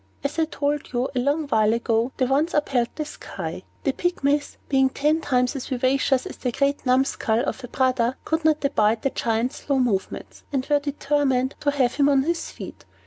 As I told you, a long while ago, they once upheld the sky. The Pygmies, being ten times as vivacious as their great numskull of a brother, could not abide the Giant's slow movements, and were determined to have him on his feet.